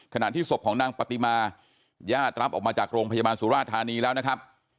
ขณะที่ศพของนางปฏิมาญาติรับออกมาจากโรงพยาบาลสุราธานีแล้วนะครับ